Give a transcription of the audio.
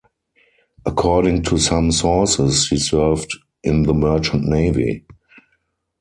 According to some sources he served in the merchant navy.